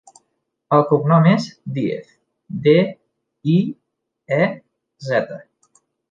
El cognom és Diez: de, i, e, zeta.